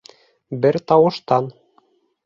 — Бер тауыштан!